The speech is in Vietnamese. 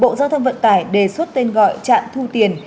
bộ giáo thông vận tài đề xuất tên gọi trạng thu tiền